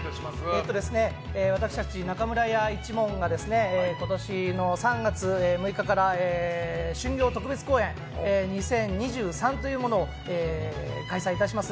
私たち中村屋一門が３月６日から春暁特別公演２０２３を開催いたします。